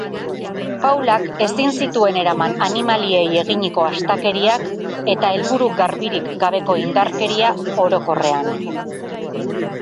Paulak ezin zituen eraman animaliei eginiko astakeriak eta helburu garbirik gabeko indarkeria orokorrean.